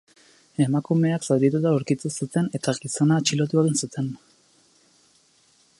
Emakumeak zaurituta aurkitu zuten eta gizona atxilotu egin zuten.